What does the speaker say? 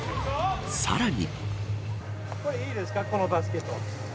さらに。